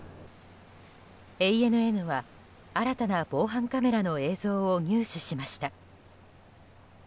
ＡＮＮは新たな防犯カメラの映像を入手しました。